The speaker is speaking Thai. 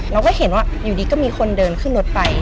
เราก็เห็นว่าอยู่ดีก็มีคนเดินขึ้นรถไป